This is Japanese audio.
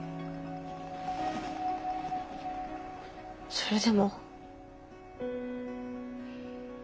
それでも。